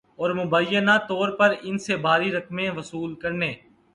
اور مبینہ طور پر ان سے بھاری رقمیں وصول کرنے